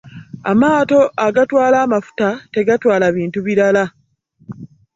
Amaato agatwala amafuta tegatwala bintu birala.